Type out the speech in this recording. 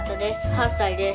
８歳です。